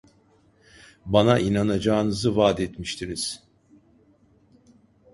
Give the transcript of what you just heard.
Bana inanacağınızı vaadetmiştiniz…